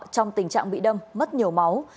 trong tình trạng bị đâm mất nhiều máu